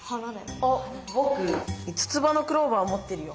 あぼく五つ葉のクローバーもってるよ。